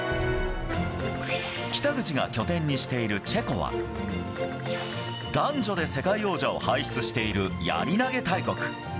北口が拠点にしているチェコは、男女で世界王者を輩出しているやり投げ大国。